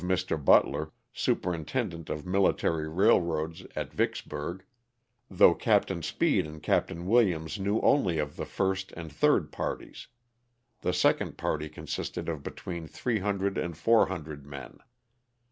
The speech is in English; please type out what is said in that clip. of Mr. Butler, superintendent of military railroads at Vicks burg, though Captain Speed and Captain Williams knew only of the first and third parties ; the second party consisted of between 300 and 400 men.